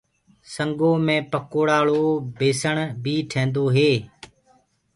سنگو مي پڪوڙآݪو بيسڻ بي ٺيندوئي